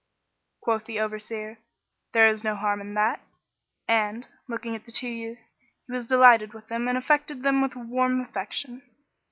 Quoth the Overseer, "There is no harm in that;" and, looking at the two youths, he was delighted with them and affected them with a warm affection.